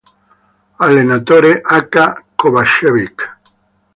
Allenatore: Aca Kovačević